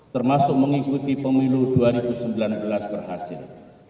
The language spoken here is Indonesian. termasuk mengikuti pemilu dua ribu sembilan belas berhasil